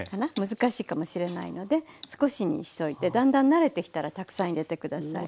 難しいかもしれないので少しにしといてだんだん慣れてきたらたくさん入れて下さい。